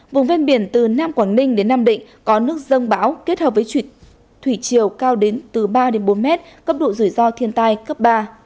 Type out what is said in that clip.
vùng ven biển từ nam quảng ninh đến nam định có nước dân báo kết hợp với thủy chiều cao đến từ ba đến bốn mét cấp độ rủi ro thiên tai cấp ba